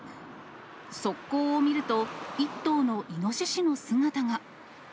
側溝を見ると、１頭のイノシシの姿が。